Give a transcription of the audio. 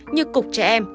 như cục trẻ em